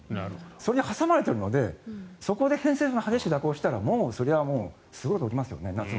それに挟まれているのでそこで偏西風が激しく蛇行したらもうそれはすごいことが起きますよね。